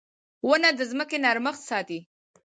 • ونه د ځمکې نرمښت ساتي.